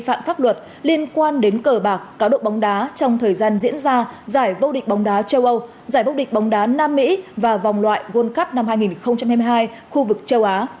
tội phạm vi phạm pháp luật liên quan đến cờ bạc cáo độ bóng đá trong thời gian diễn ra giải vô địch bóng đá châu âu giải vô địch bóng đá nam mỹ và vòng loại world cup năm hai nghìn hai mươi hai khu vực châu á